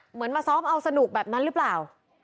เหมือนมาซ้อมเอาสนุกแบบนั้นหรือเปล่า